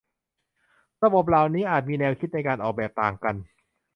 ระบบเหล่านี้อาจมีแนวคิดในการออกแบบต่างกัน